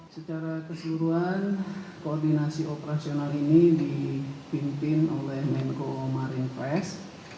secara keseluruhan koordinasi operasional ini dipimpin oleh menko marinvest